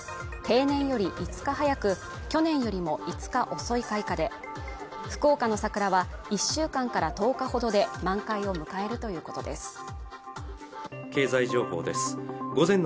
平年より５日早く去年よりも５日遅い開花で福岡の桜は１週間から１０日ほどで満開を迎えるということです